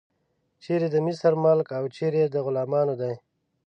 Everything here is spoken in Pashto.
چیرې د مصر ملک او چیرې د غلامانو دی.